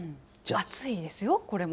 暑いですよ、これも。